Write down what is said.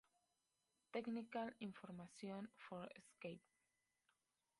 Technical Información Ford Escape